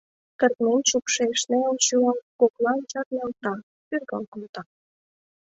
Кыртмен шупшеш, нелын шӱла, коклан чарналта, пӱргал колта.